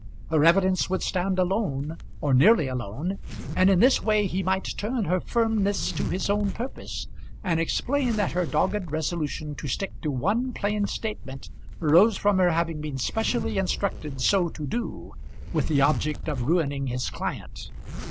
Her evidence would stand alone, or nearly alone; and in this way he might turn her firmness to his own purpose, and explain that her dogged resolution to stick to one plain statement arose from her having been specially instructed so to do, with the object of ruining his client.